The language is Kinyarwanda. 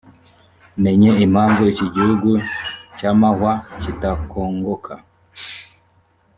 menye impamvu iki gihuru cy amahwa kidakongoka